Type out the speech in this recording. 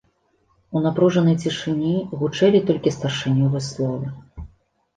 У напружанай цішыні гучэлі толькі старшынёвы словы.